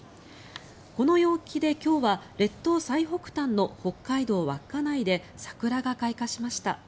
この陽気で今日は列島最北端の北海道稚内で桜が開花しました。